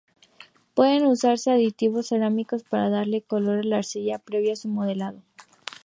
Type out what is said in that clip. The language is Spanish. Pueden usarse aditivos cerámicos para darle color a la arcilla, previo a su modelado.